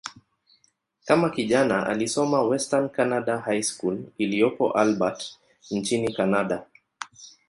Kama kijana, alisoma "Western Canada High School" iliyopo Albert, nchini Kanada.